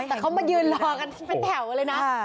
แต่เขามายืนรอกันเป็นแถวเลยนะ